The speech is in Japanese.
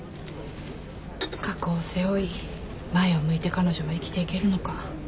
過去を背負い前を向いて彼女は生きていけるのか。